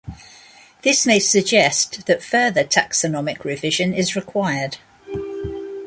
This may suggest that further taxonomic revision is required.